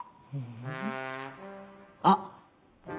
あっ。